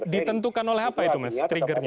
ditentukan oleh apa itu mas triggernya